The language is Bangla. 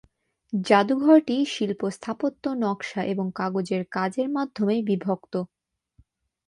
জাদুঘরটি শিল্প, স্থাপত্য, নকশা এবং কাগজের কাজের মাধ্যমে বিভক্ত।